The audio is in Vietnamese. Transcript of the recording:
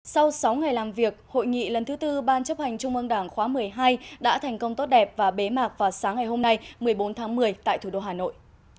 sau sáu ngày làm việc hội nghị lần thứ tư ban chấp hành trung ương đảng khóa một mươi hai đã thành công tốt đẹp và bế mạc vào sáng ngày hôm nay một mươi bốn tháng một mươi tại thủ đô hà nội